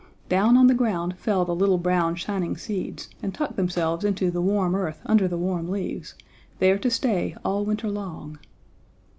Down on the ground fell the little brown shining seeds and tucked themselves into the warm earth under the warm leaves, there to stay all winter long.